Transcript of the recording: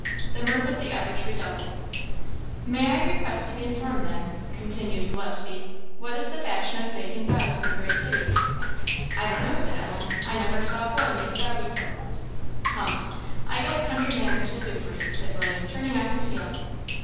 The mirth of the others redoubled. "May I request to be informed then," continued Gillespie, "what is the fashion of making bows in the great city?" "I don't know," said Ellen; "I never saw a boy make a bow before." "Humph! I guess country manners will do for you," said William, turning on his heel.